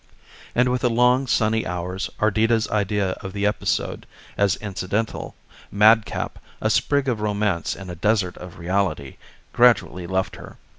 And with the long, sunny hours Ardita's idea of the episode as incidental, madcap, a sprig of romance in a desert of reality, gradually left her.